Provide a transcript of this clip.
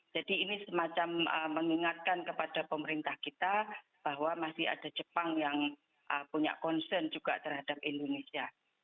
jadi ini semacam mengingatkan kepada pemerintah kita bahwa masih ada jepang yang punya concern juga terhadap indonesia